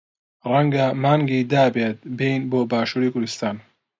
ڕەنگە مانگی دابێت بێین بۆ باشووری کوردستان.